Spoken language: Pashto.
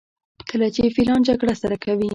کله چې فیلان جګړه سره کوي.